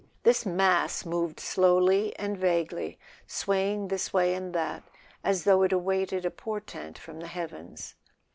This mass moved slowly and vaguely, swaying this way and that, as though it awaited a portent from the heavens.